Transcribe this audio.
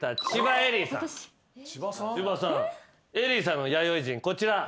恵里さんの弥生人こちら。